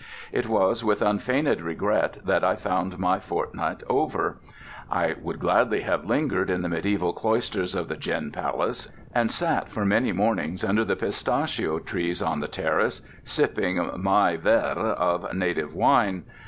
It was with unfeigned regret that I found my fortnight over. I would gladly have lingered in the medieval cloisters of the Gin Palace, and sat for many mornings under the pistachio trees on the terrace sipping my verre of native wine.